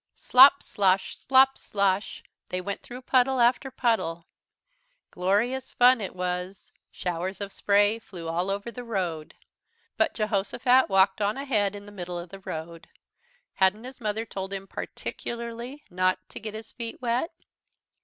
"Slop, slosh, slop, slosh," they went through puddle after puddle. Glorious fun it was. Showers of spray flew all over the road. But Jehosophat walked on ahead in the middle of the road. Hadn't his mother told him, particularly, not to get his feet wet?